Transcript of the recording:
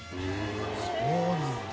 「そうなんだ！」